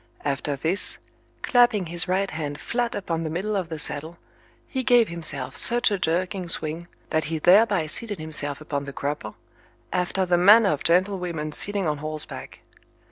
After this, clapping his right hand flat upon the middle of the saddle, he gave himself such a jerking swing that he thereby seated himself upon the crupper, after the manner of gentlewomen sitting on horseback.